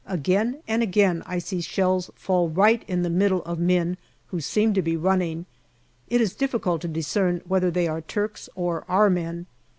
Again and again I see shells fall right in the middle of men who seem to be running. It is difficult to discern whether they are Turks or our men.